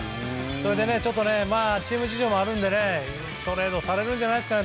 それでチーム事情もあるのでトレードされるんじゃないですかね。